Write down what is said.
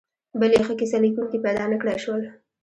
بل یې ښه کیسه لیکونکي پیدا نکړای شول.